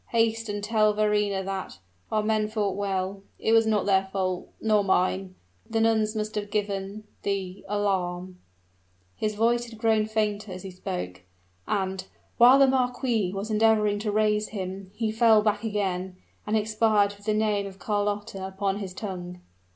"Haste and tell Verrina that our men fought well it was not their fault nor mine the nuns must have given the alarm " His voice had grown fainter as he spoke: and, while the marquis was endeavoring to raise him, he fell back again, and expired with the name of Carlotta upon his tongue.